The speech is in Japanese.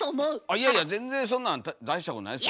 いやいや全然そんなん大したことないですよ